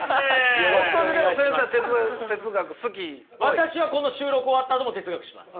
私はこの収録終わったあとも哲学します。